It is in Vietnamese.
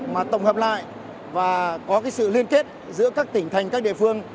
mà tổng hợp lại và có cái sự liên kết giữa các tỉnh thành các địa phương